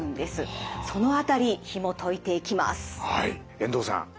遠藤さん